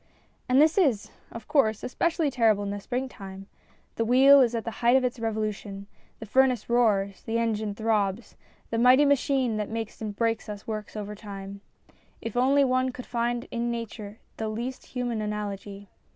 And this is, of course, especially terrible in the springtime. The wheel is at the height of its MINIATURES 249 revolution ; the furnace roars ; the engine throbs. The mighty machine that makes and breaks us works overtime. If only one could find in nature the least human analogy!